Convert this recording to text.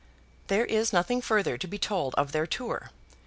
There is nothing further to be told of their tour.